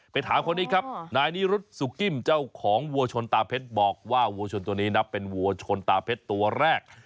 ถามคนนี้ครับนายนิรุธสุกิมเจ้าของวัวชนตาเพชรบอกว่าวัวชนตัวนี้นับเป็นวัวชนตาเพชรตัวแรก